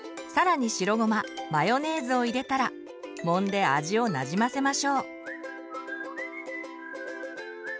更に白ごまマヨネーズを入れたらもんで味をなじませましょう。